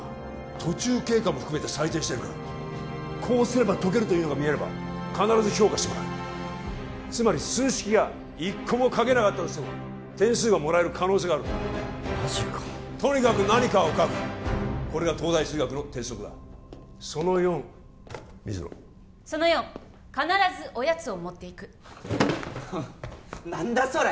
途中経過も含めて採点してるからこうすれば解けるというのが見えれば必ず評価してもらえるつまり数式が１個も書けなかったとしても点数がもらえる可能性があるんだマジかとにかく何かを書くこれが東大数学の鉄則だその４水野その４必ずおやつを持っていく何だそれ